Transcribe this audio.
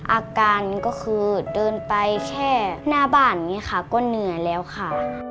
อาการก็คือเดินไปแค่หน้าบ้านอย่างนี้ค่ะก็เหนื่อยแล้วค่ะ